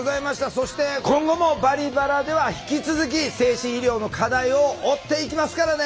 そして今後も「バリバラ」では引き続き精神医療の課題を追っていきますからね。